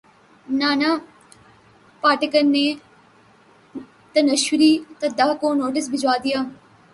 نانا پاٹیکر نے تنوشری دتہ کو نوٹس بھجوا دیا